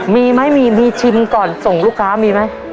มีมั้ยมีชิมก่อนส่งลูกค้ามีมั้ย